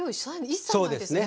一切ないですね。